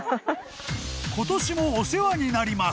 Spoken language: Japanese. ［今年もお世話になります